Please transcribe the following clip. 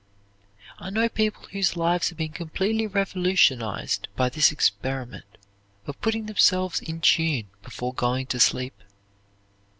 I know people whose lives have been completely revolutionized by this experiment of putting themselves in tune before going to sleep.